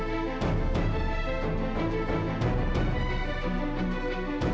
eh boleh ikut kami sekarang juga